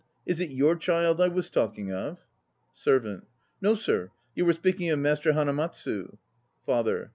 Is it your child I was talking of? SERVANT. No, sir, you were speaking of Master Hanamatsu. FATHER.